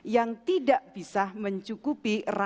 yang tidak bisa mencukupi rasio kecukupan